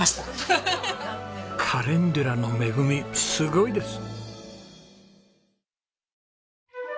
カレンデュラの恵みすごいです！